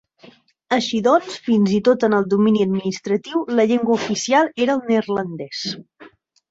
Així doncs, fins i tot en el domini administratiu, la llengua oficial era el neerlandès.